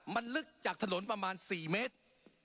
มันลึกจากถนนประมาณ๔เมตร